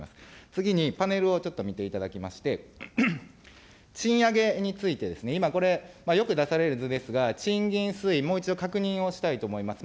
次に、パネルをちょっと見ていただきまして、賃上げについて、今、これよく出される図ですが、賃金推移、もう一度確認をしたいと思います。